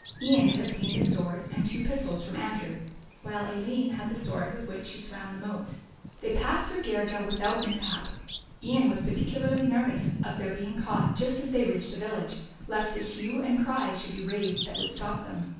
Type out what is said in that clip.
Ian had obtained a sword and two pistols from Andrew, while Aline had the sword with which she swam the moat. They passed through Garrigill without mishap. Ian was particularly nervous of their being caught just as they reached a village, lest a hue and cry should be raised that would stop them.